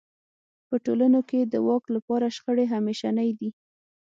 په ټولنو کې د واک لپاره شخړې همېشنۍ دي.